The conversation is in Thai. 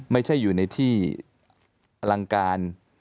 ไม่ใช่อยู่ในที่อลังการ